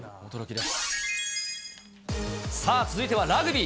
続いては、ラグビー。